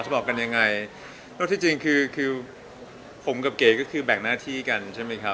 อ๋อจะบอกกันยังไงโดยที่จริงคือผมกับเก๋ก็คือแบ่งหน้าที่กันใช่ไหมค่ะ